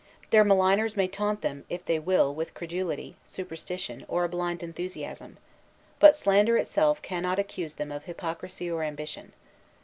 Their maligners may taunt them, if they will, with credulity, superstition, or a blind enthusiasm; but slander itself cannot accuse them of hypocrisy or ambition.